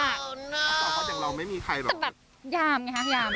ถ้าเปิดอย่างเราไม่มีใครหรอแต่แบบยามไงฮะยาม